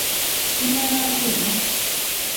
Chi nera olima